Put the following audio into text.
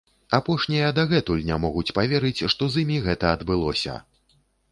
Апошнія дагэтуль не могуць паверыць, што з імі гэта адбылося!